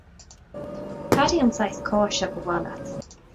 Cad é an saghas cáise ba mhaith leat?